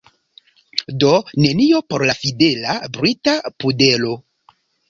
Do neniu por la fidela, brita pudelo.